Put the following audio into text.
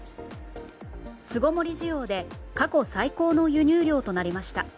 巣ごもり需要で過去最高の輸入量となりました。